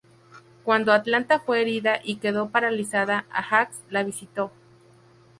Cuando Atalanta fue herida y quedó paralizada, Ajax la visitó.